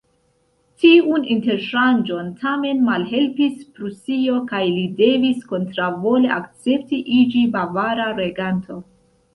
Tiun interŝanĝon tamen malhelpis Prusio, kaj li devis kontraŭvole akcepti iĝi bavara reganto.